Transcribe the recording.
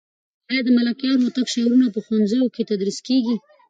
آیا د ملکیار هوتک شعرونه په ښوونځیو کې تدریس کېږي؟